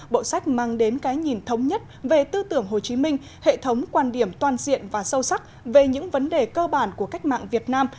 bộ sách mang đến cái nhìn thống nhất về tư tưởng hồ chí minh hệ thống quan điểm toàn diện và sâu sắc về những vấn đề cơ bản của cách mạng việt nam